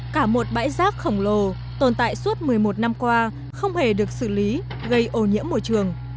cả một bãi rác khổng lồ tồn tại suốt một mươi một năm qua không hề được xử lý gây ô nhiễm môi trường